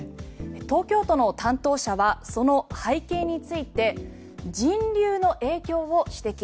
東京都の担当者はその背景について人流の影響を指摘。